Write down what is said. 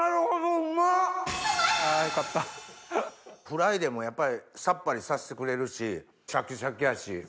フライでもやっぱりさっぱりさせてくれるしシャキシャキやし。